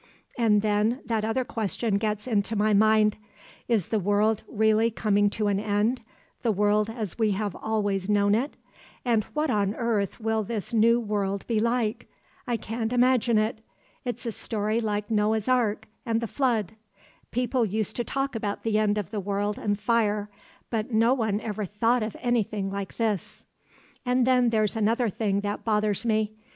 And then that other question gets into my mind—is the world really coming to an end, the world as we have always known it; and what on earth will this new world be like? I can't imagine it; it's a story like Noah's Ark and the Flood. People used to talk about the end of the world and fire, but no one ever thought of anything like this. "And then there's another thing that bothers me.